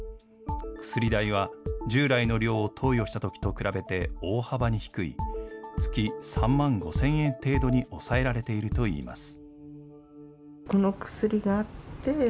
薬代は、従来の量を投与したときと比べて大幅に低い、月３万５０００円程度に抑えられているといいます。